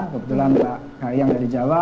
kebetulan mbak kayang dari jawa